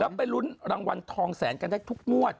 แล้วไปลุ้นรางวัลทองแสนกันได้ทุกงวด